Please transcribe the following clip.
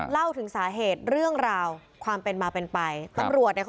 เล่าถึงสาเหตุเรื่องราวความเป็นมาเป็นไปปรับปรับปรับปรับปรับปรับปรับ